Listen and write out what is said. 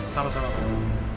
jangan lupa selamat menikmati